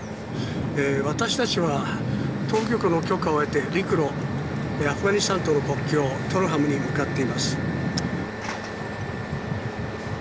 私たちは当局の許可を得て、陸路アフガニスタンとの国境、トルハムに向かっています。